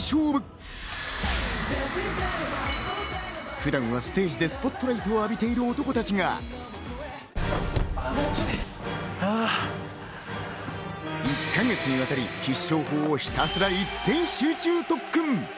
普段はステージでスポットライト浴びている男たちが、１か月にわたり必勝法ひたすら一点集中特訓。